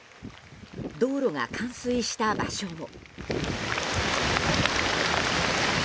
道路が冠水した場所も。